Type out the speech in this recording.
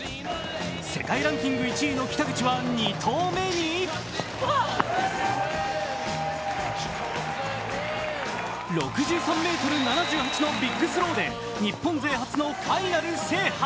世界ランキング１位の北口は２投目に６３ｍ７８のビッグスローで日本人初のファイナル制覇。